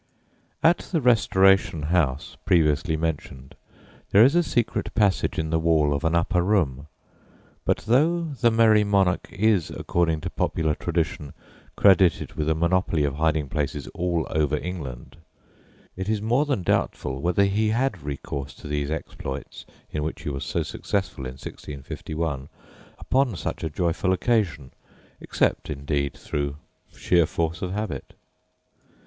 At the "Restoration House" previously mentioned there is a secret passage in the wall of an upper room; but though the Merry Monarch is, according to popular tradition, credited with a monopoly of hiding places all over England, it is more than doubtful whether he had recourse to these exploits, in which he was so successful in 1651, upon such a joyful occasion, except, indeed, through sheer force of habit.